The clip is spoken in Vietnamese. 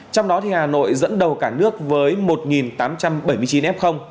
trong đó thì hà nội dẫn đầu cả nước với một tám trăm bảy mươi chín f